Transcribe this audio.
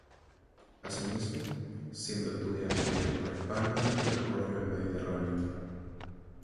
Asimismo, siendo estudiante viajó a España y recorrió el Mediterráneo.